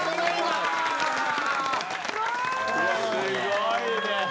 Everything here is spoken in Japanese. すごいね。